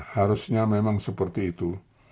harusnya memang seperti itu